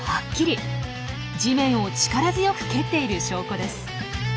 地面を力強く蹴っている証拠です。